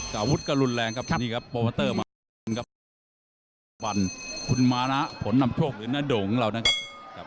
อาวุธก็รุนแรงครับนี่ครับโปรโมเตอร์มหามงคลครับฟันคุณมานะผลนำโชคหรือน้าโด่งของเรานะครับ